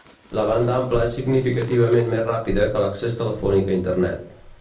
La banda ampla és significativament més ràpida que l'accés telefònic a Internet.